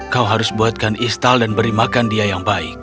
kau harus buatkan istal dan beri makan dia yang baik